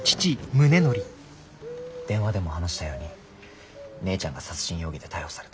電話でも話したように姉ちゃんが殺人容疑で逮捕された。